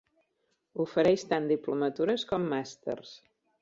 Ofereix tant diplomatures com màsters.